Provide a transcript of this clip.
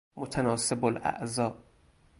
متناسب الاعضاء